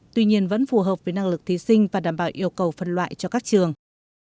tuy nhiên vẫn phù hợp với năng lực thí sinh và đảm bảo yêu cầu phân loại cho các trường